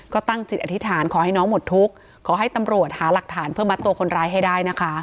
ก็ตั้งจิตอธิษฐานขอให้น้องหมดทุกข์ขอให้ตำรวจหาหลักฐานเพื่อมัดตัวคนร้ายให้ได้นะคะ